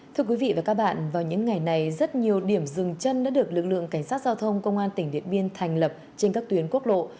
thưa quý vị và các bạn vào những ngày này rất nhiều điểm rừng chân đã được lực lượng cảnh sát giao thông công an tỉnh điện biên thành lập trên các tuyến quốc lộ